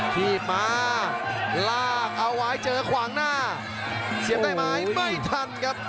ทีบมาลากเอาไว้เจอขวางหน้าเสียบได้ไหมไม่ทันครับ